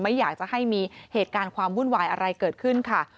ไม่อยากจะให้มีเหตุการณ์ความวุ่นวายอะไรเกิดขึ้นค่ะ